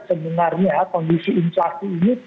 sebenarnya kondisi inflasi ini